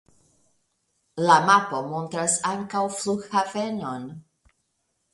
La mapo montras ankaŭ flughavenon.